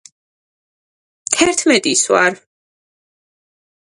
თერთმეტის ვარ